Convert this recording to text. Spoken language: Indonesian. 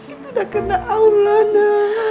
itu udah kena aulan na